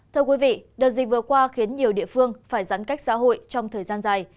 thưa quý vị đợt dịch vừa qua khiến nhiều địa phương phải giãn cách xã hội trong thời gian dài